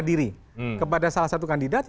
diri kepada salah satu kandidat